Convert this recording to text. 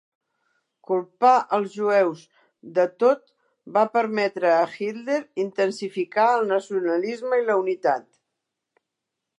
Culpar els jueus de tot va permetre a Hitler intensificar el nacionalisme i la unitat.